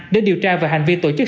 đến điều tra về hành vi tổ chức